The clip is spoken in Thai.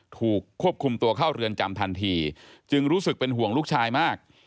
ถูกควบคุมตัวเข้าเรือนจำทันทีจึงรู้สึกเป็นห่วงลูกชายมาก